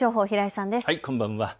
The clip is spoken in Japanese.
こんばんは。